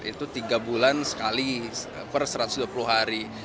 itu tiga bulan sekali per satu ratus dua puluh hari